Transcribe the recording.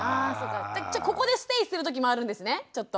じゃあここでステイするときもあるんですねちょっと。